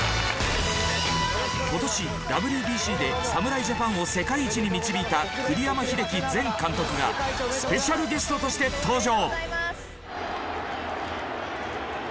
今年ＷＢＣで侍ジャパンを世界一に導いた栗山英樹前監督がスペシャルゲストとして登場。